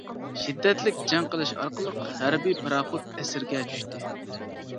شىددەتلىك جەڭ قىلىش ئارقىلىق، ھەربىي پاراخوت ئەسىرگە چۈشتى.